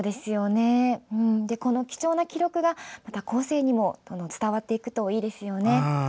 この貴重な記録がまた後世にも伝わっていくといいですよね。